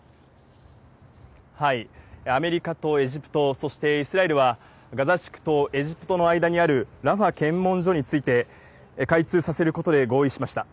アメリカとエジプト、そしてイスラエルは、ガザ地区とエジプトの間にあるラファ検問所について、開通させることで合意しました。